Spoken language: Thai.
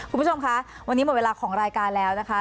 คุณผู้ชมคะวันนี้หมดเวลาของรายการแล้วนะคะ